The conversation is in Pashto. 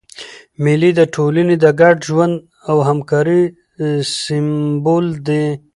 مېلې د ټولني د ګډ ژوند او همکارۍ سېمبول دي.